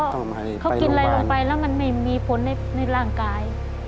ทำไมเขากินอะไรลงไปแล้วมันไม่มีผลในร่างกาย